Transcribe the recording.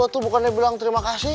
itu bukannya bilang terima kasih